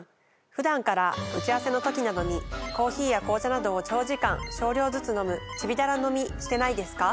普段から打ち合わせの時などにコーヒーや紅茶などを長時間少量ずつ飲むちびだら飲みしてないですか？